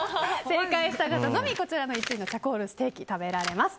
正解した方のみこちらの１位のチャコールステーキ食べられます。